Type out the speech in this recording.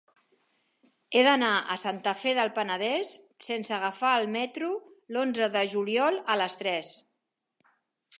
He d'anar a Santa Fe del Penedès sense agafar el metro l'onze de juliol a les tres.